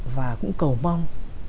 và cũng cầu mong